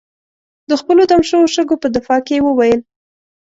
د خپلو دم شوو شګو په دفاع کې یې وویل.